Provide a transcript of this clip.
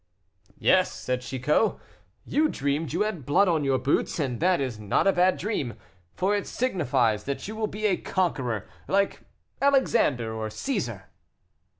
"Yes," said Chicot, "you dreamed you had blood on your boots; that is not a bad dream, for it signifies that you will be a conqueror, like Alexander or Cæsar."